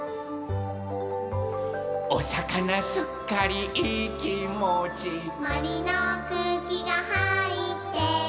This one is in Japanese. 「おさかなすっかりいいきもち」「もりのくうきがはいってる」